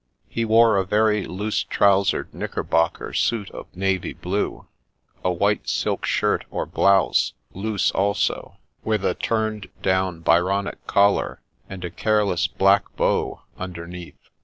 He wore a very loose trousered knicker bocker suit of navy blue ; a white silk shirt or blouse, loose also, with a turned down Byronic collar and a careless black bow underneath.